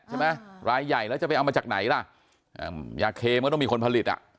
ใช่ไหมรายใหญ่แล้วจะไปเอามาจากไหนล่ะยาเคมันต้องมีคนผลิตอ่ะ